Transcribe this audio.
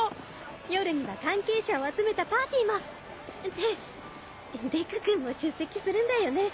夜には関係者を集めたパーティーも。ってデク君も出席するんだよね。